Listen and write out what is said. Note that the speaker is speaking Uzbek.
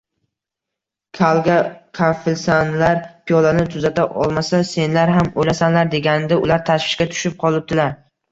Kalga kafilsanlar, piyolani tuzata olmasa, senlar ham o‘lasanlar, deganida ular tashvishga tushib qolibdilar